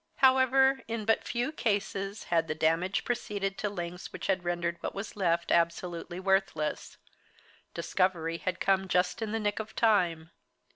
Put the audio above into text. However, in but few cases had the damage proceeded to lengths which had rendered what was left absolutely worthless discovery had come just in the nick of time.